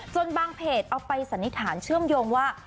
จนบางเพจเอาไปสันนิษฐานเชื่อมโยงว่า